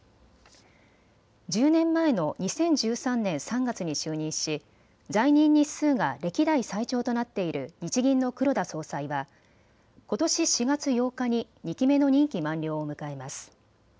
１０年前の２０１３年３月に就任し在任日数が歴代最長となっている日銀の黒田総裁はことし４月８日に２期目の任期満了を迎えます。